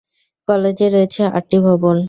কলেজে রয়েছে আটটি ভবন।